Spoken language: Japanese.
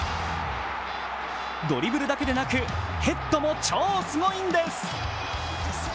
ドリブルだけでなくヘッドも超すごいんです！